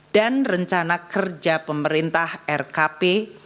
dan rencana kerja pemerintah rkp